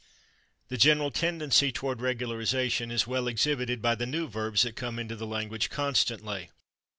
The general tendency toward regularization is well exhibited by the new verbs that come into the language constantly.